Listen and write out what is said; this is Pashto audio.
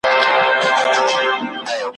هغه کال وه ناغه سوي بارانونه !.